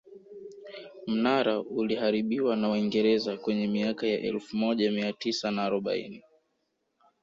Mnara uliharibiwa na waingereza kwenye miaka ya elfu moja mia tisa na arobaini